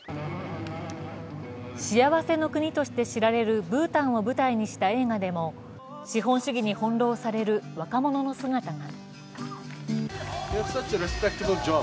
幸せの国として知られるブータンを舞台にした映画でも資本主義にほんろうされる若者の姿が。